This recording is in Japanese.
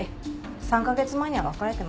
３カ月前には別れてます。